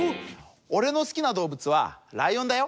おれのすきなどうぶつはライオンだよ。